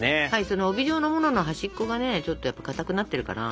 その帯状のものの端っこがねちょっとかたくなってるから。